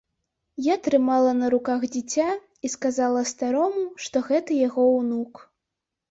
Я трымала на руках дзіця і сказала старому, што гэта яго ўнук.